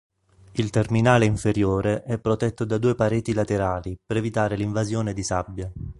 Il terminale inferiore è protetto da due pareti laterali per evitare l'invasione di sabbia.